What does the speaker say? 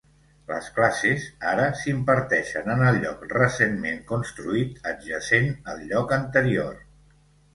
Les classes ara s'imparteixen en el lloc recentment construït adjacent al lloc anterior.